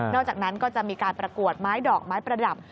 อกจากนั้นก็จะมีการประกวดไม้ดอกไม้ประดับ